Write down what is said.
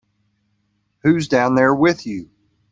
Who's down there with you?